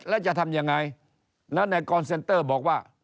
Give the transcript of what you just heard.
แล้วจะทำยังไงแล้วในกรเซ็นเตอร์บอกว่า